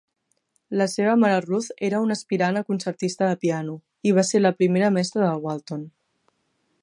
La seva mare Ruth era una aspirant a concertista de piano, i va ser la primera mestra de Walton.